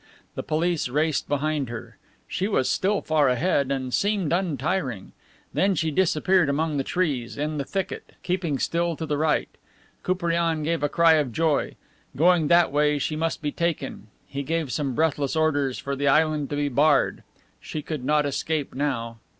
The police raced behind her. She was still far ahead, and seemed untiring. Then she disappeared among the trees, in the thicket, keeping still to the right. Koupriane gave a cry of joy. Going that way she must be taken. He gave some breathless orders for the island to be barred. She could not escape now!